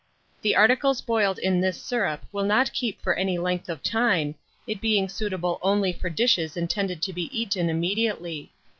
The articles boiled in this syrup will not keep for any length of time, it being suitable only for dishes intended to be eaten immediately.